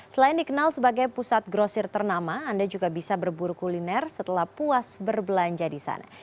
selain dikenal sebagai pusat grosir ternama anda juga bisa berburu kuliner setelah puas berbelanja di sana